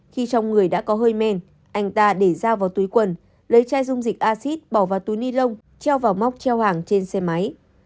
khi trong người đã có hơi men anh ta để giao vào túi quần lấy chai dung dịch acid bỏ vào túi ni lông treo vào móc treo hàng trên xe máy